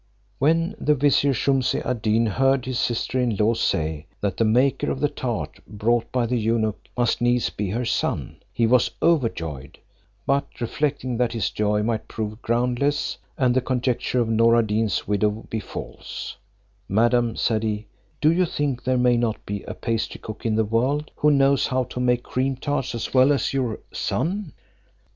When the vizier Shumse ad Deen heard his sister in law say, that the maker of the tart, brought by the eunuch, must needs be her son, he was overjoyed; but reflecting that his joy might prove groundless, and the conjecture of Noor ad Deen's widow be false, "Madam," said he, "do you think there may not be a pastry cook in the world, who knows how to make cream tarts as well as your son?"